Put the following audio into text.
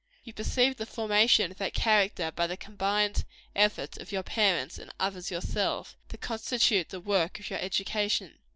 You perceive the formation of that character, by the combined efforts of your parents and others and yourself, to constitute the work of your education.